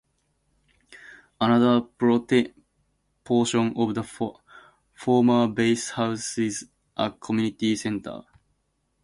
Another portion of the former base houses a community center.